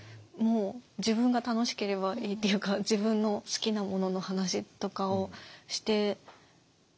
もう自分が楽しければいいっていうか自分の好きなものの話とかをして。